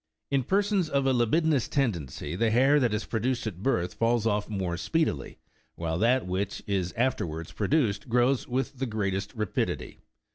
In persons of a libidinous tendency the hair that is produced at birth falls off more speedily, while that which is afterwards produced grows with the greatest rapidity.